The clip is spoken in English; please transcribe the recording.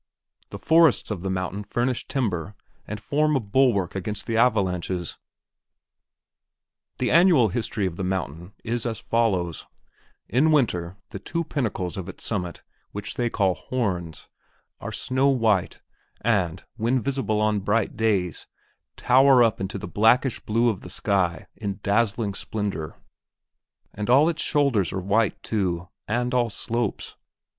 The forests of the mountain furnish timber and form a bulwark against the avalanches. The annual history of the mountain is as follows: In winter, the two pinnacles of its summit, which they call horns, are snow white and, when visible on bright days, tower up into the blackish blue of the sky in dazzling splendor, and all its shoulders are white, too, and all slopes.